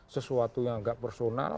sesuatu yang tidak personal